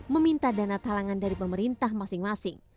meminta dana talangan dari pemerintah masing masing